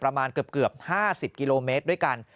ประมาณเกือบ๕๐กิโลเมตรด้วยกัน